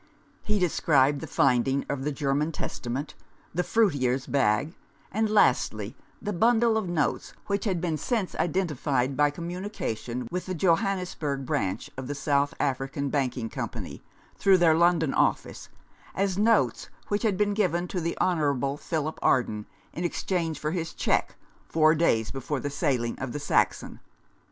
He described the finding of the German Testament, the fruiterer's bag, and, lastly, the bundle of notes which had been since identified by communication with the Johannesburg Branch of the South African Banking Company, through their London office, as notes which had been given to the Hon. Philip Arden in exchange for his cheque, four days before the sailing of the Saxon.